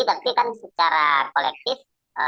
tapi kan secara kolektif